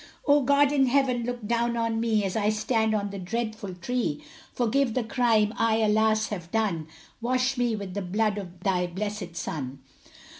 Oh, God in heaven, look down on me, As I stand on the dreadful tree, Forgive the crime, I, alas, have done, Wash me with the blood of thy blessed son.